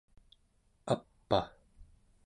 ap'a